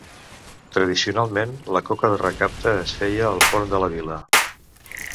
Tradicionalment, la coca de recapte es feia al forn de la vila.